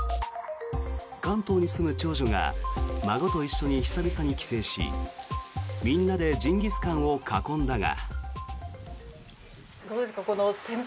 関東に住む長女が孫と一緒に久々に帰省しみんなでジンギスカンを囲んだが。